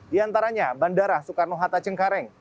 di antaranya bandara soekarno hatta cengkareng